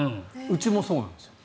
うちもそうなんですよ。